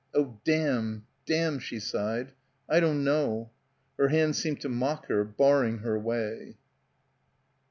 Oh, damn, damn, she sighed. I don't know. Her hands seemed to mock her, barring her way.